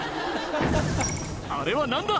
あれは何だ？